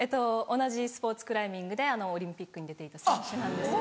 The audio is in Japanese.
同じスポーツクライミングでオリンピックに出ていた選手なんですけど。